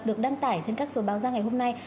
được đăng tải trên các số báo ra ngày hôm nay